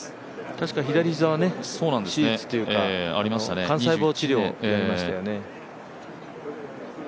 確か左膝を手術というか、幹細胞治療、やりましたよね。